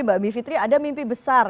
mbak b fitri ada mimpi besar